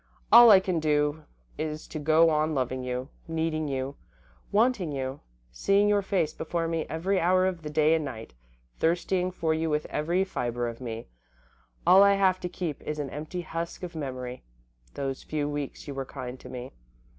All I can do is to go on loving you, needing you, wanting you; seeing your face before me every hour of the day and night, thirsting for you with every fibre of me. All I have to keep is an empty husk of memory those few weeks you were kind to me.